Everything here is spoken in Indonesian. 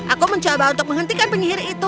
aku mencoba untuk menghentikan penyihir itu